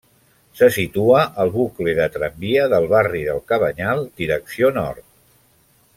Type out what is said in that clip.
Se situa al bucle de tramvia del barri del Cabanyal, direcció nord.